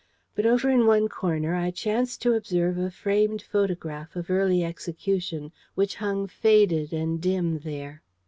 But over in one corner I chanced to observe a framed photograph of early execution, which hung faded and dim there.